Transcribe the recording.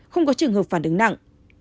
không có trường hợp phản ứng nặng